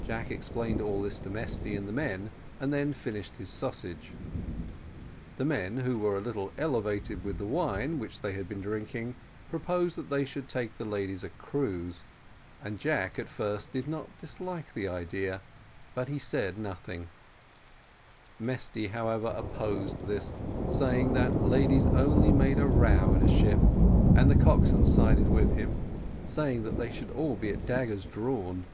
Jack explained all this to Mesty and the men, and then finished his sausage. The men, who were a little elevated with the wine which they had been drinking, proposed that they should take the ladies a cruise, and Jack at first did not dislike the idea, but he said nothing; Mesty, however, opposed this, saying, that ladies only made a row in a ship, and the coxswain sided with him, saying, that they should all be at daggers drawn.